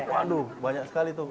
waduh banyak sekali tuh